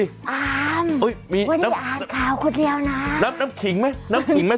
อ้าม๊อุ้ยมีวันนี้อาจข่าวคนเดียวน่ะน้ำน้ำขิงไหมน้ำขิงไหม